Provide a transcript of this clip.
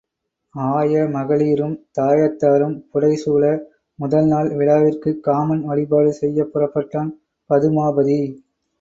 ஆயமகளிரும் தாயத்தாரும் புடைசூழ முதல் நாள் விழாவிற்குக் காமன் வழிபாடு செய்யப் புறப்பட்டாள் பதுமாபதி.